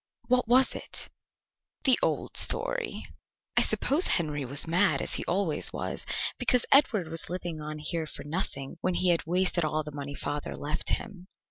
"What was it?" "The old story." "I suppose Henry was mad, as he always was, because Edward was living on here for nothing, when he had wasted all the money father left him."